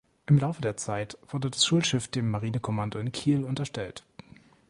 Im Laufe der Zeit wurde das Schulschiff dem Marinekommando in Kiel unterstellt.